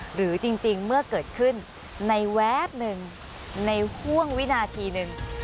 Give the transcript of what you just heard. หรือจริงเมื่อเกิดขึ้นในแวบหนึ่งในห่วงวินาทีหนึ่ง